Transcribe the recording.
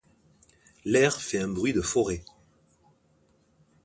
L’air fait un bruit de forêt.